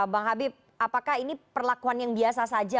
bang habib apakah ini perlakuan yang biasa saja